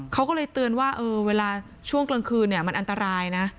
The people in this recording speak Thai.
เขาก็เลยเตือนว่าเวลาช่วงกลางคืนอันตราย